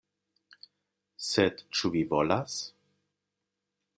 Sed ĉu vi volas?